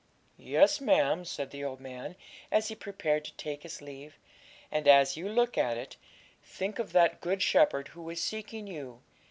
'Yes, ma'am,' said the old man, as he prepared to take his leave; 'and as you look at it, think of that Good Shepherd who is seeking you.